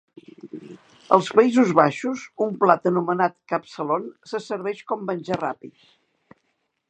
Als Països Baixos, un plat anomenat "kapsalon" se serveix com menjar ràpid.